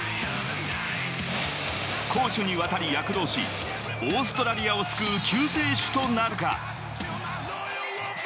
攻守にわたり躍動し、オーストラリアを救う救世主となるか？